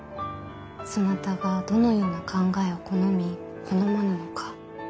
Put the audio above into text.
そなたがどのような考えを好み好まぬのか。